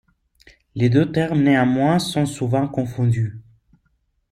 Les deux termes néanmoins sont souvent confondus.